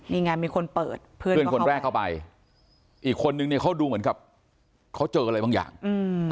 นี่ไงมีคนเปิดเพื่อนเพื่อนคนแรกเข้าไปอีกคนนึงเนี่ยเขาดูเหมือนกับเขาเจออะไรบางอย่างอืม